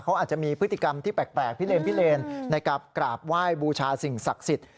เขาอาจจะมีพฤติกรรมที่แปลกพิเลนพิเลนในการกราบไหว้บูชาสิ่งศักดิ์สิทธิ์